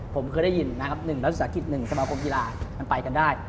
ผมเคยได้ยินนะครับ๑นักศึกษากิจ๑สมาคมกีฬามันไปกันได้